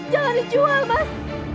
jangan dijual mas